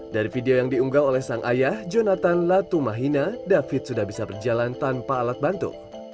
dari video yang diunggah oleh sang ayah jonathan latumahina david sudah bisa berjalan tanpa alat bantu